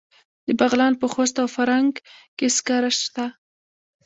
د بغلان په خوست او فرنګ کې سکاره شته.